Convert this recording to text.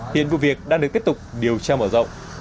hiện vụ việc đang được tiếp tục điều tra mở rộng